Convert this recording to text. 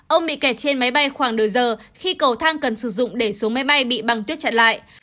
ông bị kẹt trên máy bay khoảng nửa giờ khi cầu thang cần sử dụng để xuống máy bay bị băng tuyết chặn lại